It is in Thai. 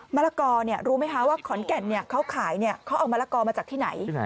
มะละกอเนี่ยรู้ไหมคะว่าขอนแก่นเนี่ยเขาขายเนี่ยเขาเอามะละกอมาจากที่ไหน